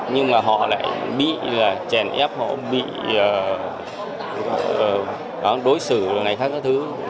nhưng mà họ lại bị là chèn ép họ bị đối xử ngày khác các thứ